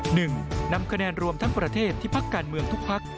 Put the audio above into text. นำคะแนนรวมทั้งประเทศที่พักการเมืองทุกพัก